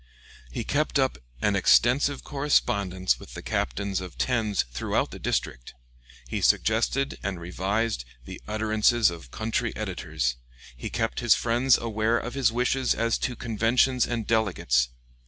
He kept up an extensive correspondence with the captains of tens throughout the district; he suggested and revised the utterances of country editors; he kept his friends aware of his wishes as to conventions and delegates.